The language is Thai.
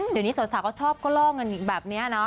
เดี๋ยวนี้สาวสาวก็ชอบกระโล่งแบบนี้เนอะ